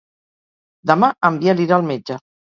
Demà en Biel irà al metge.